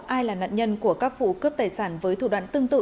ai là nạn nhân của các vụ cướp tài sản với thủ đoạn tương tự